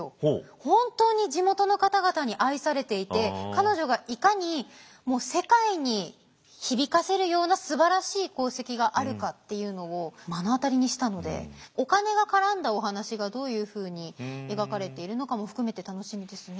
本当に地元の方々に愛されていて彼女がいかに世界に響かせるようなすばらしい功績があるかっていうのを目の当たりにしたのでお金が絡んだお話がどういうふうに描かれているのかも含めて楽しみですね。